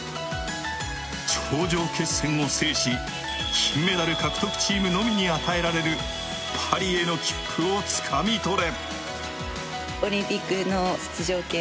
頂上決戦を制し金メダル獲得チームのみに与えられるパリへの切符をつかみ取れ。